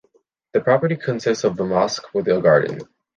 The property consists of a mosque with a garden.